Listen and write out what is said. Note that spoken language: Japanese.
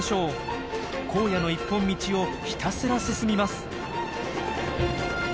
荒野の一本道をひたすら進みます。